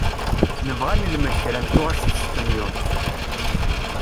Nebɣa ad nelmed kra n tuɣac s tsepenyult.